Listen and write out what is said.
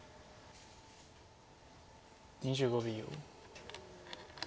２５秒。